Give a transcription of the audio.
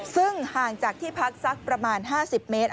ซึ่งห่างจากที่พักสักประมาณ๕๐เมตร